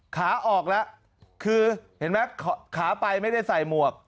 ขาออกแล้วคือเห็นไหมขาไปไม่ได้ใส่หมวก